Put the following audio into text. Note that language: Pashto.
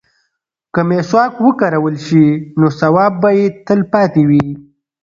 که مسواک وکارول شي نو ثواب به یې تل پاتې وي.